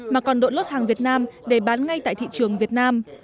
mà còn đội lốt hàng việt nam để bán ngay tại thị trường việt nam